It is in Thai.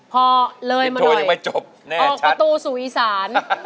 พอเลยมาหน่อยออกประตูสู่อีสาน